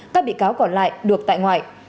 các bị cáo còn lại được tại ngoại